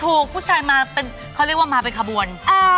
ถูกผู้ชายมาเป็นเขาเรียกว่ามาเป็นขบวน